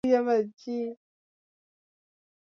Karume ambaye ujanani kwake alifanya kazi ya ubaharia